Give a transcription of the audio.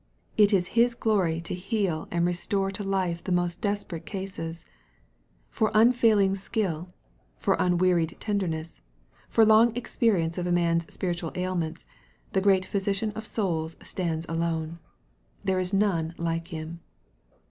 It is His glory to heal and restore to life the most desperate cases. For unfailing skill, for unwearied tenderness,, for long experience of man's spiritual ailments, the great Physi cian of souls stands alone. There is none like Him.